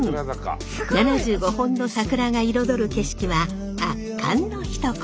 ７５本の桜が彩る景色は圧巻のひと言！